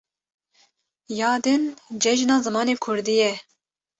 Ya din Cejna Zimanê Kurdî ye.